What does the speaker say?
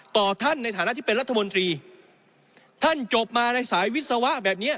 ท่านในฐานะที่เป็นรัฐมนตรีท่านจบมาในสายวิศวะแบบเนี้ย